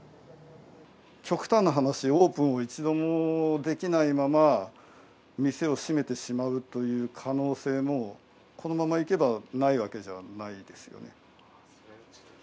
極端な話、オープンを一度もできないまま、店を閉めてしまうという可能性も、このままいけばないわけじゃないですよね。